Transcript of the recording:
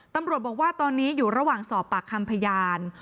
ตำรวจบอกว่าตอนนี้อยู่ระหว่างสอบปากคำพยาน